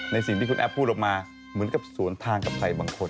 สิ่งที่คุณแอฟพูดออกมาเหมือนกับสวนทางกับใครบางคน